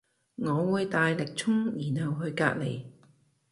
我會大力衝然後去隔籬